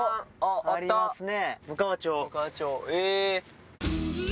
ありますね。